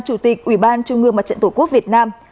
chủ tịch ubnd tổ quốc việt nam